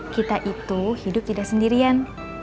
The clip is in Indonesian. kita itu hidup tidak sendirian